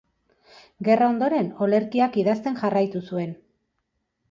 Gerra ondoren olerkiak idazten jarraitu zuen.